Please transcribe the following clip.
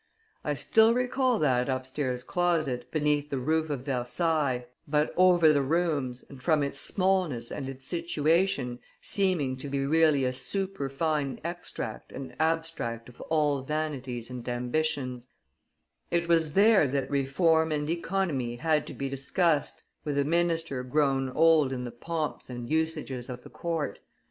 I still recall that upstairs closet, beneath the roof of Versailles, but over the rooms, and, from its smallness and its situation, seeming to be really a superfine extract and abstract of all vanities and ambitions; it was there that reform and economy had to be discussed with a minister grown old in the pomps and usages of the court.